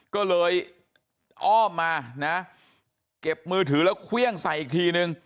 ก็เลยอ้อมมานะเก็บมือถือแล้วเครื่องใส่อีกทีนึง